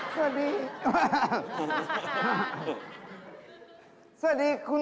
สวัสดี